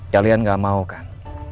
kalian gak mau kan